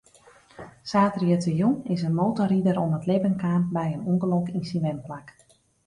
Saterdeitejûn is in motorrider om it libben kaam by in ûngelok yn syn wenplak.